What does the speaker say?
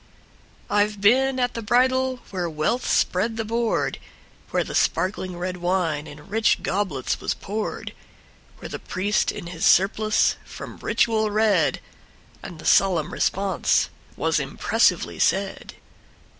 I 've been at the bridal where wealth spread the board, Where the sparkling red wine in rich goblets was poured; Where the priest in his surplice from ritual read, And the solemn response was impressively said.